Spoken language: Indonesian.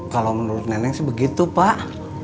kalau menurut nenek sebegitu pak